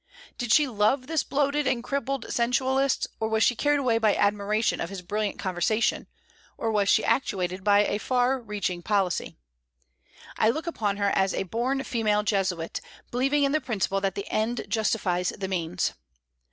Did she love this bloated and crippled sensualist, or was she carried away by admiration of his brilliant conversation, or was she actuated by a far reaching policy? I look upon her as a born female Jesuit, believing in the principle that the end justifies the means.